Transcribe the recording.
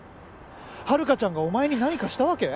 ハルカちゃんがお前に何かしたわけ？